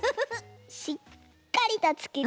しっかりとつけて。